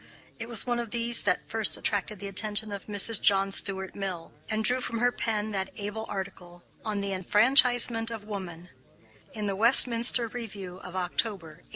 It was one of these that first attracted the attention of Mrs. John Stuart Mill, and drew from her pen that able article on "The Enfranchisement of Woman," in the Westminster Review of October, 1852.